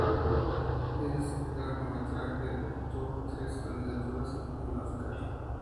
El largometraje obtuvo tres candidaturas al Premio Óscar.